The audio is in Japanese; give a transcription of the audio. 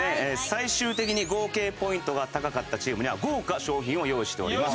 最終的に合計ポイントが高かったチームには豪華賞品を用意しております。